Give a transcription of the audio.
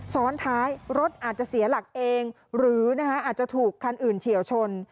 ซ้อนท้ายรถอาจจะเสียหลักเองหรืออาจจะถูกคันอื่นเฉียวชน